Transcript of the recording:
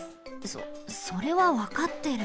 そそれはわかってる。